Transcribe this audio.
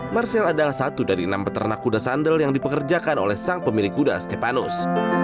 marcel adalah satu dari enam peternak kuda sandal yang dipekerjakan oleh sang pemilik kuda stepanus